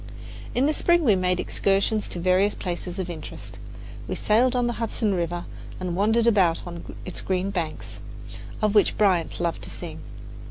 In the spring we made excursions to various places of interest. We sailed on the Hudson River and wandered about on its green banks, of which Bryant loved to sing.